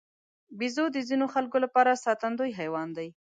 بیزو د ځینو خلکو لپاره ساتندوی حیوان دی.